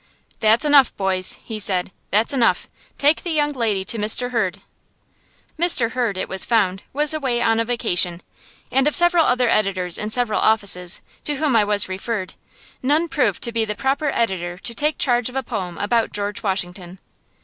"That's enough, boys," he said, "that's enough. Take the young lady to Mr. Hurd." Mr. Hurd, it was found, was away on a vacation, and of several other editors in several offices, to whom I was referred, none proved to be the proper editor to take charge of a poem about George Washington.